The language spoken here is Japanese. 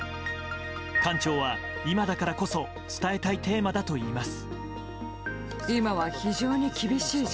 館長は今だからこそ伝えたいテーマだといいます。